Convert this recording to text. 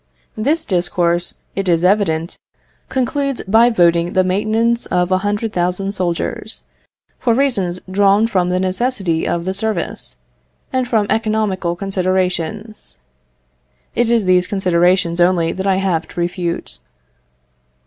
This discourse, it is evident, concludes by voting the maintenance of a hundred thousand soldiers, for reasons drawn from the necessity of the service, and from economical considerations. It is these considerations only that I have to refute.